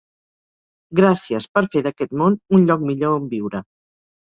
Gràcies per fer d’aquest món un lloc millor on viure.